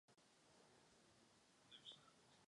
Narodil se v Rize židovským rodičům.